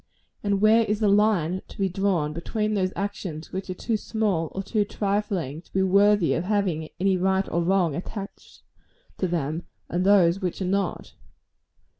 and where is the line to be drawn between those actions which are too small or too trifling to be worthy of having any right or wrong attached to them, and those which are not?